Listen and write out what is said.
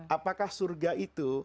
apakah surga itu